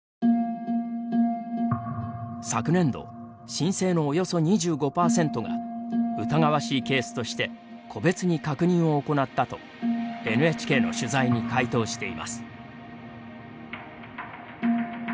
昨年度、申請のおよそ２５％が疑わしいケースとして個別に確認を行ったとＮＨＫの取材に回答しています。